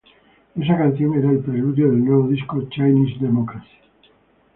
Esa canción era el preludio del nuevo disco, "Chinese Democracy".